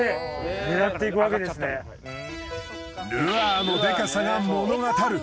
ルアーのデカさが物語る。